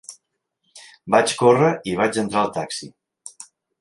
Vaig córrer i vaig entrar al taxi.